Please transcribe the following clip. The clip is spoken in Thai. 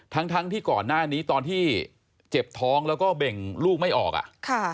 ทั้งทั้งที่ก่อนหน้านี้ตอนที่เจ็บท้องแล้วก็เบ่งลูกไม่ออกอ่ะค่ะ